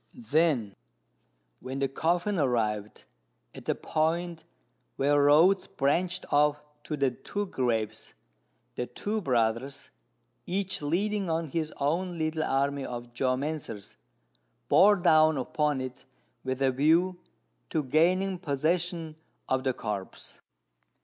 Then when the coffin arrived at the point where roads branched off to the two graves, the two brothers, each leading on his own little army of geomancers, bore down upon it with a view to gaining possession of the corpse.